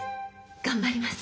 頑張ります。